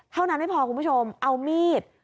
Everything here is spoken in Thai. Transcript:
เท่านั้นไม่พอคุณผู้ชมเอามีด